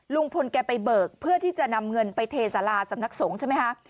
ลุงพลแกไปเบิกเพื่อที่จะนำเงินไปเทสาราสำนักสงฆ์ใช่ไหมคะ